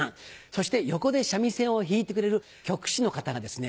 そして横で三味線を弾いてくれる曲師の方がですね